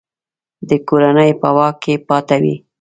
د کورنۍ په واک کې پاته وي.